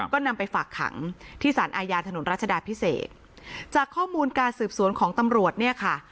ก็นำไปฝากขังที่สารอาญาถนนรัชดาพิเศษจากข้อมูลการสืบสวนของตำรวจเนี่ยค่ะ